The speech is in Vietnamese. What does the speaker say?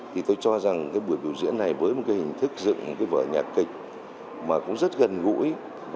thì tôi cho rằng cái buổi biểu diễn này với một hình thức dựng vở nhà kịch mà cũng rất gần gũi